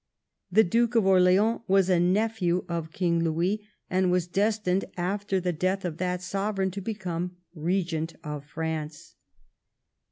The Duke of Orleans was a nephew of King Louis, and was destined after the death of that Sovereign to become Eegent of France.